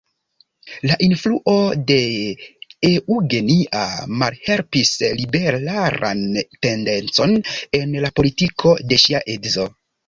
La influo de Eugenia malhelpis liberalan tendencon en la politiko de ŝia edzo.